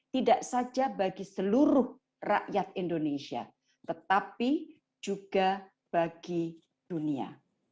tidak saja bagi seluruh rakyat indonesia tetapi juga bagi dunia